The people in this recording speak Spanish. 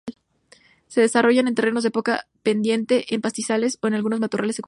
Se desarrolla en terrenos de poca pendiente con pastizales o algunos matorrales secundarios.